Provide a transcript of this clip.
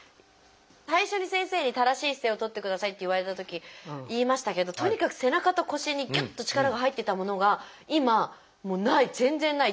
最初に先生に「正しい姿勢をとってください」って言われたとき言いましたけどとにかく背中と腰にぎゅっと力が入ってたものが今もうない全然ない。